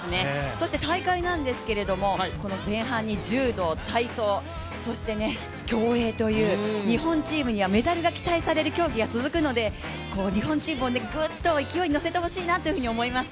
そして大会なんですけど前半に柔道、体操、そして、競泳という日本チームにはメダルが期待される競技が続くので日本チームをグッと勢いにのせてほしいなと思います。